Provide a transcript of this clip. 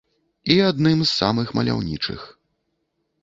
І адным з самых маляўнічых.